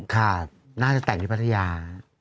ค่ะน่าจะแต่งที่พัทยา